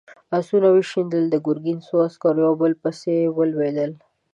آسونه وشڼېدل، د ګرګين څو عسکر يو په بل پسې ولوېدل.